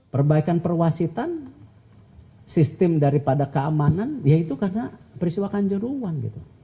perbaikan perwasitan sistem daripada keamanan ya itu karena peristiwa kanjeruan